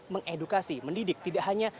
mengedukasi mendidik tidak hanya